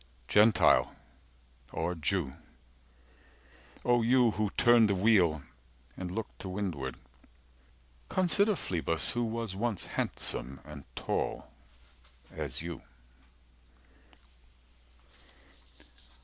Gentile or Jew O you who turn the wheel and look to windward, 320 Consider Phlebas, who was once handsome and tall as you.